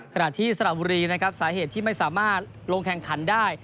ขณะที่สระบุรีนะครับสาเหตุที่ไม่สามารถลงแข่งขันได้